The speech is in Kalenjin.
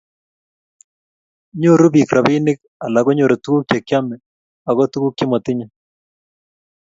Nyoru biik robinik, alak konyoru tuguk chekiame ago tuguk chemotinye